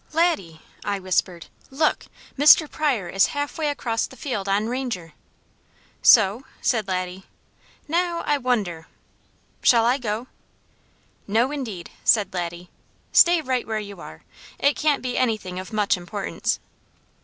"Laddie!" I whispered. "Look! Mr. Pryor is halfway across the field on Ranger." "So?" said Laddie. "Now I wonder " "Shall I go?" "No indeed!" said Laddie. "Stay right where you are. It can't be anything of much importance."